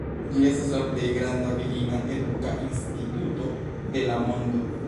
Ĝi estas la plej granda virina eduka instituto de la mondo.